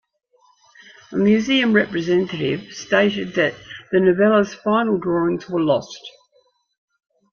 A museum representative stated that the novella's final drawings were lost.